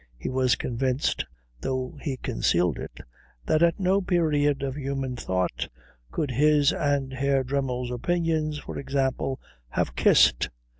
He was convinced, though he concealed it, that at no period of human thought could his and Herr Dremmel's opinions, for example, have kissed.